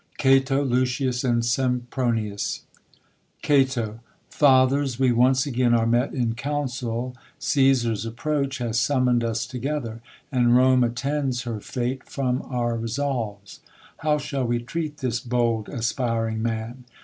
Cato, Lucius, and Sempronius. C t TT^ATHERS, we once again are met in council :^' 1. Cesar's approach has summoned us together, And Rome attends her fate from our resolves. How shall we treat this bold, aspiring man